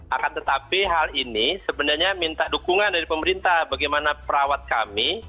akan tetapi hal ini sebenarnya minta dukungan dari pemerintah bagaimana perawat kami